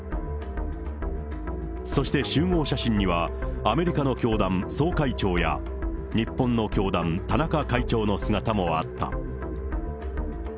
そして集合写真には、アメリカの教団総会長や、日本の教団、田中会長の姿もあった。